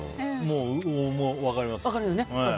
分かります。